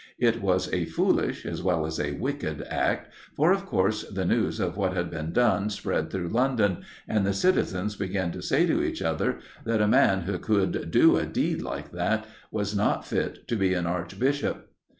It was a foolish as well as a wicked act, for of course the news of what had been done spread through London, and the citizens began to say to each other that a man who could do a deed like that was not fit to be an Archbishop.